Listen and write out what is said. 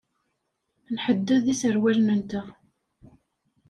Nḥedded iserwalen-nteɣ.